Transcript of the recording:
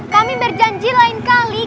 kami berjanji lain kali